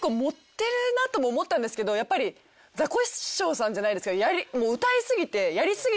やっぱりザコシショウさんじゃないですけど。